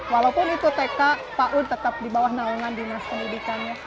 walaupun itu tk pakud tetap di bawah naungan dinas pendidikan ya